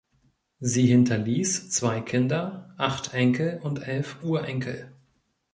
Sie hinterließ zwei Kinder, acht Enkel und elf Urenkel.